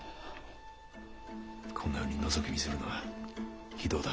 こんなふうに覗き見するのは非道だ。